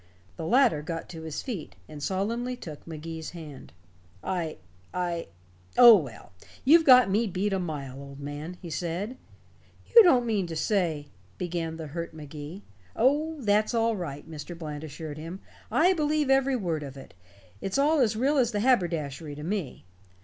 The latter got to his feet, and solemnly took Magee's hand. "I I oh, well, you've got me beat a mile, old man," he said. "You don't mean to say " began the hurt Magee. "Oh, that's all right," Mr. Bland assured him. "I believe every word of it. It's all as real as the haberdashery to me.